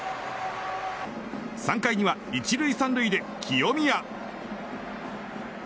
３回には１塁３塁で清宮。